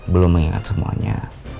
belum mengingat semuanya